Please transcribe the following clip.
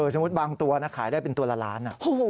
สมมุติบางตัวขายได้เป็นตัวละล้าน